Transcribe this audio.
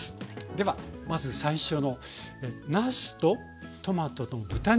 ではまず最初のなすとトマトと豚肉の重ね煮。